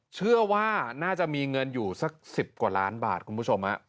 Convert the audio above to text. เชื่อว่าน่าจะมีเงินอยู่สัก๑๐กว่าล้านบาทคุณผู้ชม